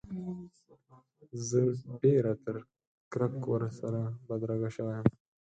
زه ډېره تر کرک ورسره بدرګه شوی یم.